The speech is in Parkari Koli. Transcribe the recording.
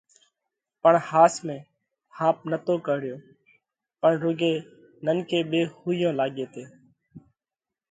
پڻ ۿاس ۾ ۿاپ نتو ڪرڙيو پڻ رُوڳي ننڪي ٻي ۿُوئيون لاڳي تي۔